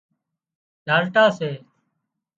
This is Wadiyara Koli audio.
ڍالٽا سي